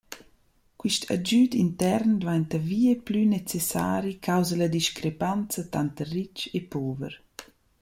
Quist agüd intern dvainta vieplü necessari causa la discrepanza tanter rich e pover.